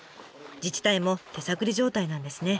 自治体も手探り状態なんですね。